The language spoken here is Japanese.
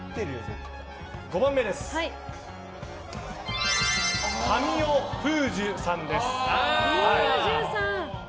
５番目、神尾楓珠さんです。